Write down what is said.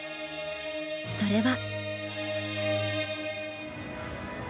それは。